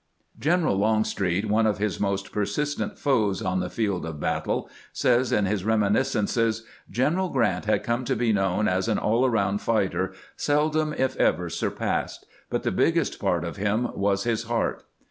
General Longstreet, one of his most persistent foes on the field of battle, says in his reminiscences :" Gen eral Grant had come to be known as an all round fighter 516 CAMPAIGNING WITH GRANT seldom, if ever, surpassed ; but the biggest part of him was his heart."